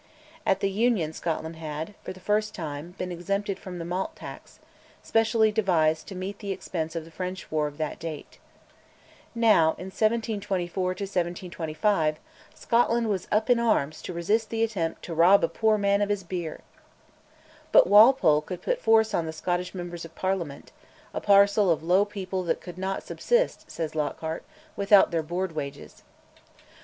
At the Union Scotland had, for the time, been exempted from the Malt Tax, specially devised to meet the expenses of the French war of that date. Now, in 1724 1725, Scotland was up in arms to resist the attempt "to rob a poor man of his beer." But Walpole could put force on the Scottish Members of Parliament, "a parcel of low people that could not subsist," says Lockhart, "without their board wages."